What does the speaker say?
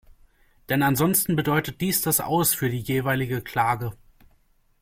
Denn ansonsten bedeutet dies das Aus für die jeweilige Klage.